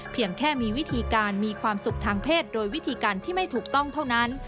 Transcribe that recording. เพียงแค่มีวิธีการมีความสุขทางเพศโดยวิธีการที่ไม่ถูกต้องเท่านั้น